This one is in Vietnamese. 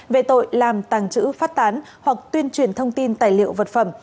về tội làm tàng trữ phát tán hoặc tuyên truyền thông tin tài liệu vật phẩm